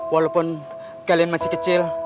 walaupun kalian masih kecil